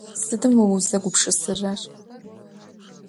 Sıdım vo vuzegupşısırer?